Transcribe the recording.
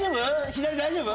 左大丈夫？